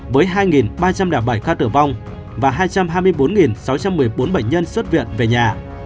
với hai ba trăm linh bảy ca tử vong và hai trăm hai mươi bốn sáu trăm một mươi bốn bệnh nhân xuất viện về nhà